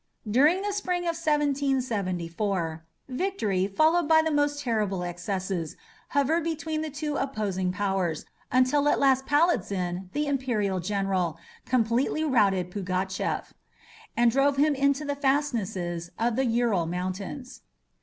During the spring of 1774, victory, followed by the most terrible excesses, hovered between the two opposing powers, until at last Palitzin, the imperial general, completely routed Pugatchef, and drove him into the fastnesses of the Ural mountains.